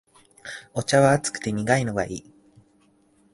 お茶は熱くて苦いのがいい